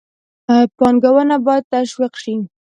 پانګونه باید تشویق شي.